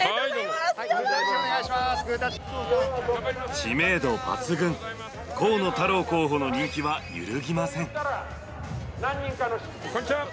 知名度抜群、河野太郎候補の人気は揺るぎません。